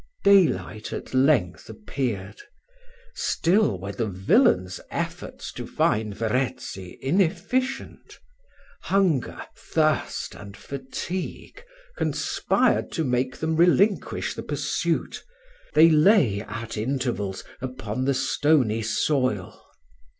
Day light at length appeared; still were the villain's efforts to find Verezzi inefficient. Hunger, thirst, and fatigue, conspired to make them relinquish the pursuit they lay at intervals upon the stony soil.